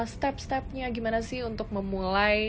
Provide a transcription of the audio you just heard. step stepnya gimana sih untuk memulai